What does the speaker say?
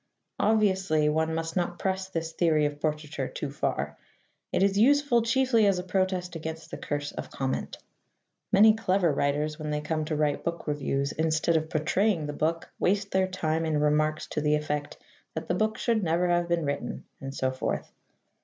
Obviously, one must not press this theory of portraiture too far. It is useful chiefly as a protest against the curse of comment. Many clever writers, when they come to write book reviews, instead of portraying the book, waste their time in remarks to the effect that the book should never have been written, and so forth.